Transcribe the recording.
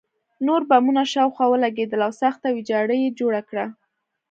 نور بمونه شاوخوا ولګېدل او سخته ویجاړي یې جوړه کړه